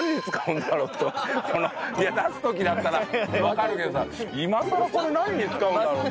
いや出す時だったらわかるけどさ今さらこれ何に使うんだろうと。